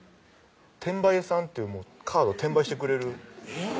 転売絵さんっていうカード転売してくれるえぇっ